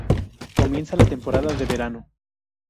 Comienza la temporada de verano